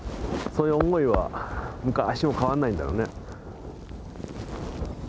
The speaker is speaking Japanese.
そういう思いは昔も変わんないんだろうね